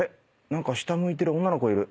何か下向いてる女の子がいる。